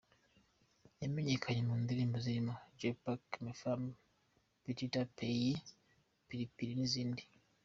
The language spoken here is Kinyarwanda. Yamenyekanye mu ndirimbo zirimo ‘Je pars’, ‘Ma femme’, ‘Petit Pays’, ‘PiliPili’ n’izindi.